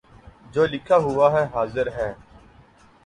جو لکھا ہوا ہے حاضر ہے